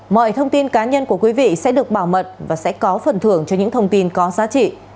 mọi thông tin cá nhân của quý vị sẽ được bảo mật và sẽ có phần thưởng cho những thông tin có giá trị